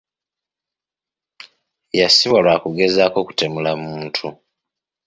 Yasibwa lwa kugezaako kutemula muntu.